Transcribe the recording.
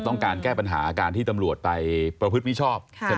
ต้องการแก้ปัญหาอาการที่ตำรวจไปประพฤติไม่ชอบ